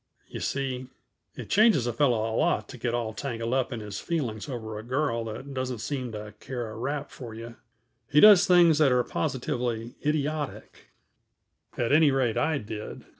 You see, it changes a fellow a lot to get all tangled up in his feelings over a girl that doesn't seem to care a rap for you. He does things that are positively idiotic At any rate, I did.